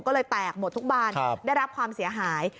ก็เลยแตกหมดทุกบานได้รับความเสียหาย